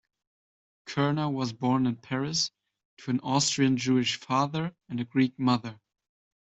Koerner was born in Paris, to an Austrian Jewish father and a Greek mother.